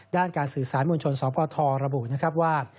ด้านการสื่อสารมวลชนสปทระบุนะครับว่า